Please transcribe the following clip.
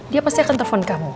dia pasti akan telepon kamu